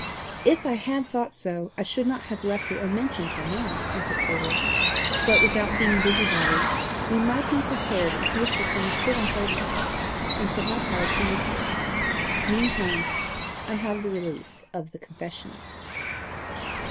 "If I had thought so, I should not have left it unmentioned till now," answered Polwarth. "But without being busybodies, we might be prepared in case the thing should unfold itself, and put it in our power to be useful. Meantime I have the relief of the confessional."